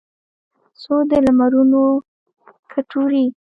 څو د لمرونو کټوري